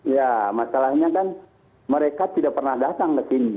ya masalahnya kan mereka tidak pernah datang ke sini